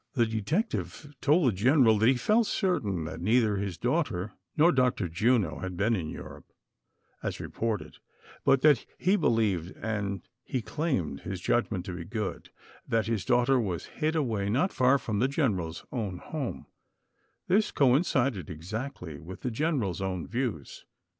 The detective told the general that he felt cer tain that neither his daughter nor Dr. Juno had been in Europe, as reported ; but that he believed, and he claimed his judgment to be good, that his daughter was hid away not far from the general's own home ; this coincided ex actly with the general's own views.